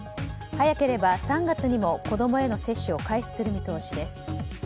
早ければ３月にも子供への接種を開始する見通しです。